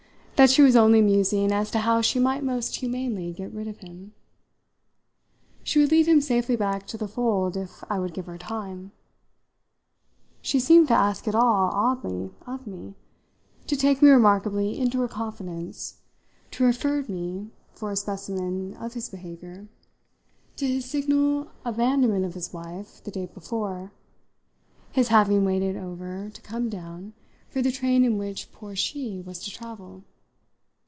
that she was only musing as to how she might most humanely get rid of him. She would lead him safely back to the fold if I would give her time. She seemed to ask it all, oddly, of me, to take me remarkably into her confidence, to refer me, for a specimen of his behaviour, to his signal abandonment of his wife the day before, his having waited over, to come down, for the train in which poor she was to travel.